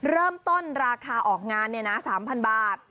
เริ่มต้นราคาออกงานเนี่ยนะ๓๐๐บาท